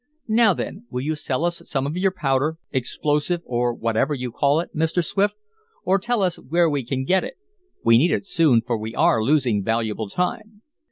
"Now then, will you sell us some of your powder explosive or whatever you call it Mr. Swift, or tell us where we can get it? We need it soon, for we are losing valuable time."